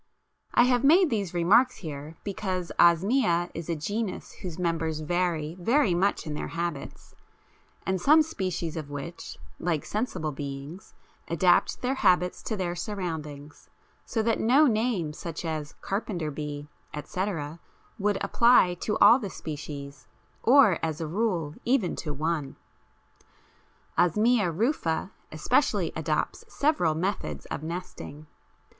I have made these remarks here because Osmia is a genus whose members vary very much in their habits, and some species of which, like sensible beings, adapt their habits to their surroundings, so that no name such as carpenter bee, etc., would apply to all the species, or, as a rule, even to one. Osmia rufa especially adopts several methods of nesting.